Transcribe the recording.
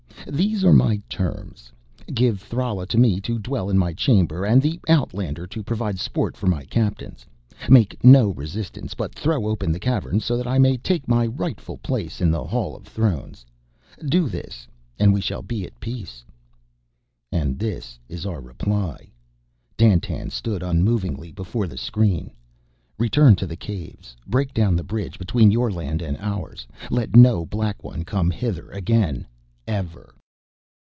These are my terms: Give Thrala to me to dwell in my chamber and the outlander to provide sport for my captains. Make no resistance but throw open the Caverns so that I may take my rightful place in the Hall of Thrones. Do this and we shall be at peace...." "And this is our reply:" Dandtan stood unmovingly before the screen "Return to the Caves; break down the bridge between your land and ours. Let no Black One come hither again, ever...."